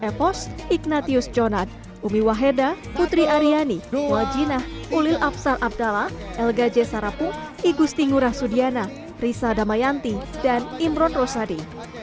epos ignatius jonan umi wahida putri aryani wajinah ulil absar abdallah elga j sarapu igusti ngurah sudiana risa damayanti dan imron rosadi